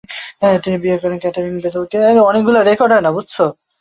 তিনি বিয়ে করেন ক্যাথারিন বেথেলকে।